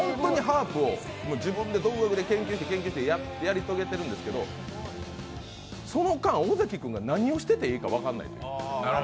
自分で独学で研究してやり遂げてるんですけどその間、尾関君が何をしてていいか分からないんだよ。